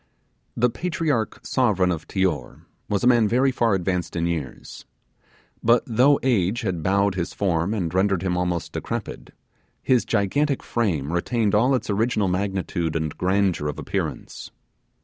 The patriarch sovereign of Tior was a man very far advanced in years; but though age had bowed his form and rendered him almost decrepid, his gigantic frame retained its original magnitude and grandeur of appearance.